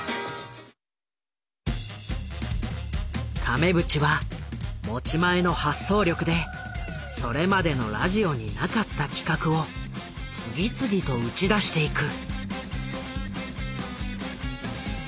亀渕は持ち前の発想力でそれまでのラジオになかった企画を次々と打ち出していく。